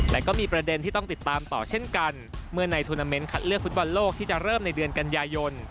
และก็มีประเด็นที่ต้องติดตามต่อเช่นกันเมื่อในทวนาเมนต์คัดเลือกฟุตบอลโลกที่จะเริ่มในเดือนกันยายน